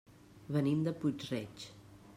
Venim de Puig-reig.